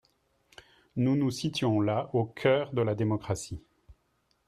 Nous nous situons là au cœur de la démocratie.